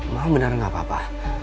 mama bener gak apa apa